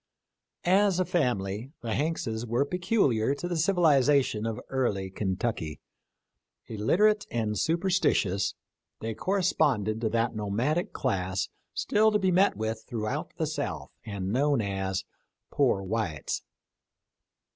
As a family the Hankses were peculiar to the civ ilization of early Kentucky. Illiterate and super stitious, they corresponded to that nomadic class still to be met with throughout the South, and known as " poor whites."